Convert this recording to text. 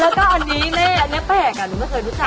แล้วก็อันนี้เล่อันนี้แปลกหนูไม่เคยรู้จัก